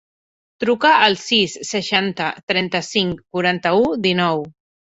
Truca al sis, seixanta, trenta-cinc, quaranta-u, dinou.